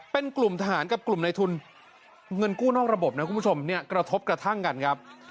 เป็นกลุ่มทหารกับกลุ่มในทุนเงินกู้นอกระบบนะคุณผู้ชมเนี่ยกระทบกระทั่งกันครับ